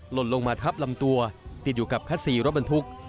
ลนลงมาทับลำตัวติดอยู่กับคัสซีรถบรรทุก